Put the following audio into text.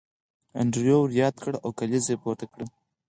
انډریو ور یاد کړ او کلیزه یې پورته کړه